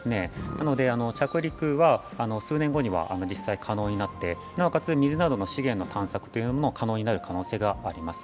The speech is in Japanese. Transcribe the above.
なので、着陸は数年後には実際可能になって、なおかつ水などの資源の探索も可能になる可能性があります。